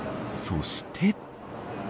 そして。